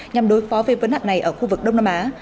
nhằm đối phó với vấn hạn này ở khu vực đông nam á